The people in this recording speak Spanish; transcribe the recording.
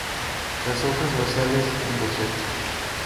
Las hojas basales en roseta.